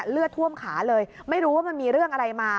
เลือดท่วมขาเลยไม่รู้ว่ามันมีเรื่องอะไรมา